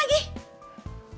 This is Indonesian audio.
oh dimatiin lagi